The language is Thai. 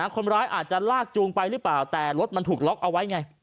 คนร้ายอาจจะลากจูงไปหรือเปล่าแต่รถมันถูกล็อกเอาไว้ไง